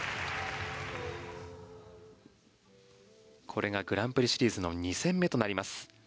これがグランプリシリーズの２戦目となります。